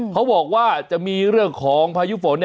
เขาบอกว่าจะมีเรื่องของพายุฝน